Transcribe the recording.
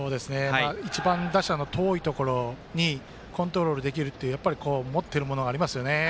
１番打者の遠いところにコントロールできる持っているものがありますよね。